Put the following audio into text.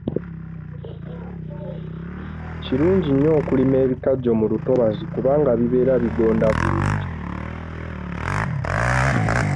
Kirungi nnyo okulima ebikajjo mu lutobazi kubanga bibeera bigonda bulungi.